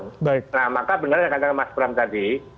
nah maka benar yang katakan mas bram tadi